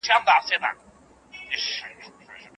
ځینو کسانو پخوا هیڅ تجاري شغل نه درلود.